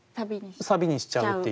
サビにしちゃう。